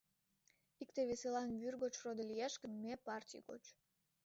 Икте весылан вӱр гоч родо лиеш гын, ме — партий гоч.